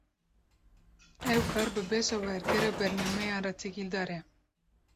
Ew kar, bi beşa wergera bernameyan re têkildar e